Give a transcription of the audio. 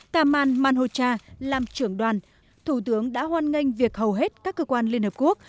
kamal manhocha làm trưởng đoàn thủ tướng đã hoan nghênh việc hầu hết các cơ quan liên hợp quốc